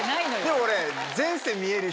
でも俺。